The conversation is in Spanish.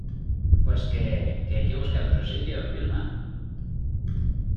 pues que... que hay que buscar otro sitio, Vilma .